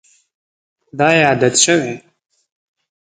دا یې عادت شوی.